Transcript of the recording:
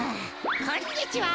こんにちは！